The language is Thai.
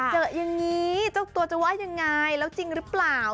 เจออย่างนี้เจ้าตัวจะว่ายังไงแล้วจริงหรือเปล่า